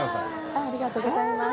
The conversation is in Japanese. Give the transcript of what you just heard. ありがとうございます。